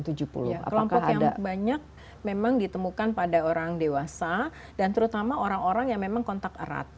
kelompok yang banyak memang ditemukan pada orang dewasa dan terutama orang orang yang memang kontak erat